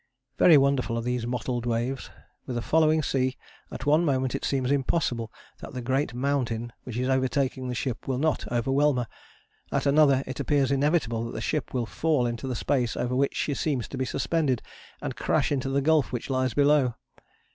Very wonderful are these mottled waves: with a following sea, at one moment it seems impossible that the great mountain which is overtaking the ship will not overwhelm her, at another it appears inevitable that the ship will fall into the space over which she seems to be suspended and crash into the gulf which lies below.